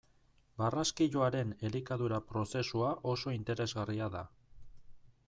Barraskiloaren elikadura prozesua oso interesgarria da.